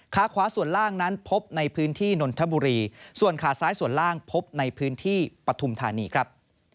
ขาขวาส่วนล่างนั้นพบในพื้นที่นนทบุรีส่วนขาซ้ายส่วนล่างพบในพื้นที่ปฐุมธานีครับ